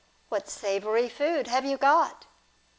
What savoury food have you got